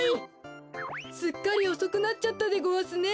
すっかりおそくなっちゃったでごわすね。